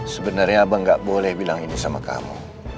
sebenarnya abang nggak boleh bilang ini sama kamu